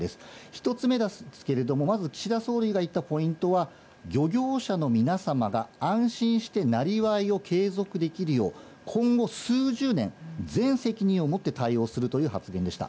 １つ目ですけれども、まず岸田総理が言ったポイントは、漁業者の皆様が安心してなりわいを継続できるよう、今後数十年、全責任を持って対応するという発言でした。